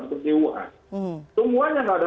seperti wuhan semuanya yang tidak ada